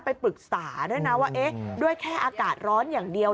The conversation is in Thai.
ไปปรึกษาด้วยนะว่าเอ๊ะด้วยแค่อากาศร้อนอย่างเดียว